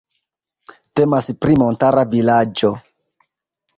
Temas pri montara vilaĝo.